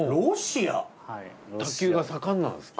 卓球が盛んなんですか？